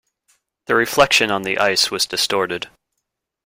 The reflection on the ice was distorted.